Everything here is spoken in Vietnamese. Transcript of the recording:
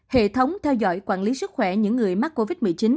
hệ thống theo dõi quản lý sức khỏe những người mắc covid một mươi chín